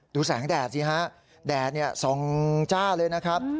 ดูแสงแดดสิฮะแดดสองจ้าเลยนะครับ